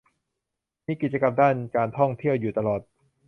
มีกิจกรรมด้านการท่องเที่ยวอยู่ตลอด